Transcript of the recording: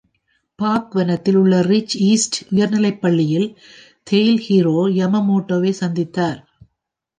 Park வனத்தில் உள்ள Rich East உயர்நிலைப்பள்ளியில் தெய்ல் ஹிரோ யமமோட்டோவை சந்தித்தார்.